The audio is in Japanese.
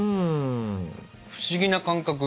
不思議な感覚。